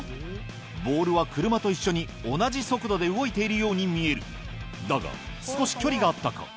ボールは車と一緒に同じ速度で動いているように見えるだが少し距離があったか？